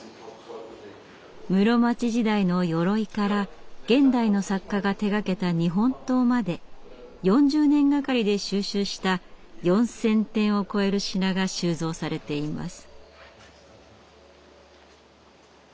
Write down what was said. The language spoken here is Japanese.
室町時代のよろいから現代の作家が手がけた日本刀まで４０年がかりで収集した４，０００点を超える品が収蔵されています。